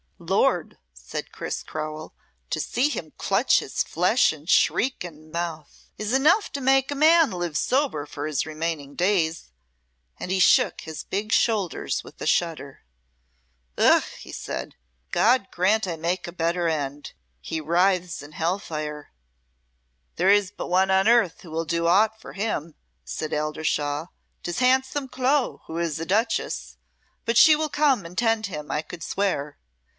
"Lord," said Sir Chris Crowell, "to see him clutch his flesh and shriek and mouth, is enough to make a man live sober for his remaining days," and he shook his big shoulders with a shudder. "Ugh!" he said, "God grant I may make a better end. He writhes as in hell fire." "There is but one on earth who will do aught for him," said Eldershawe. "'Tis handsome Clo, who is a duchess; but she will come and tend him, I could swear.